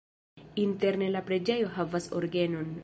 Interne la preĝejo havas orgenon.